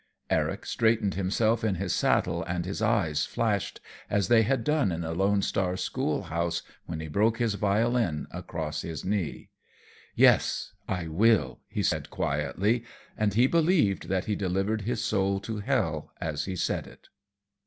Eric straightened himself in his saddle and his eyes flashed as they had done in the Lone Star schoolhouse when he broke his violin across his knee. "Yes, I will," he said, quietly, and he believed that he delivered his soul to hell as he said it.